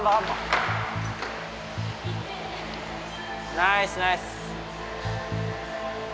ナイスナイス！